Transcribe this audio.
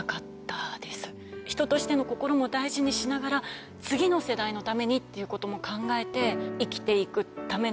人としての心も大事にしながら次の世代のためにっていうことも考えて生きていくための